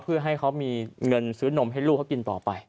เพื่อให้เขามีเงินซื้อนมให้ลูกเขากินต่อไป